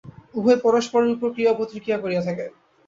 উভয়েই পরস্পরের উপর ক্রিয়া ও প্রতিক্রিয়া করিয়া থাকে।